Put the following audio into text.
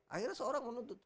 akhirnya seorang menuntut